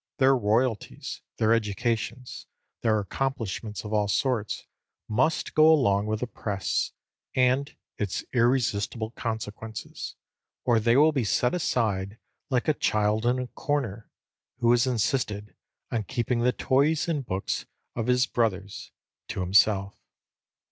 Their royalties, their educations, their accomplishments of all sorts, must go along with the Press and its irresistible consequences, or they will be set aside like a child in a corner, who has insisted on keeping the toys and books of his brothers to himself.